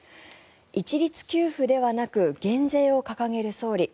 一律給付ではなく減税を掲げる総理。